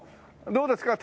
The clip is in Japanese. どうですか？